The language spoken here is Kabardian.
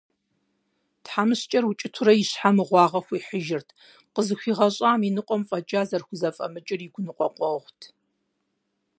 ТхьэмыщкӀэр укӀытэурэ и щхьэ мыгъуагъэ хуихьыжырт, къызыхуигъэщӀам и ныкъуэм фӀэкӀа зэрыхузэфӀэмыкӀыр и гуныкъуэгъуэт.